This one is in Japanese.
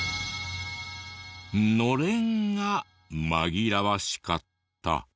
のれんがまぎらわしかった。